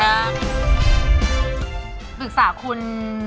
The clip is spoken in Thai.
ปรึกษาคุณ